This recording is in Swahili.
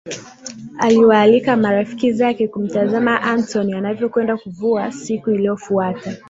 aliwaalika marafiki zake kumtazama Antony anavyokwenda kuvua siku iliyofuata